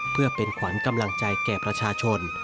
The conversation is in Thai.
เพื่อเป็นขวัญกำลังใจแก่ประชาชน